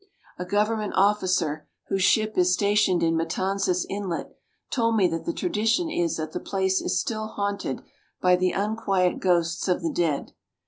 A government officer, whose ship is stationed in Matanzas Inlet, told me that the tradition is that the place is still haunted by the unquiet ghosts of the dead.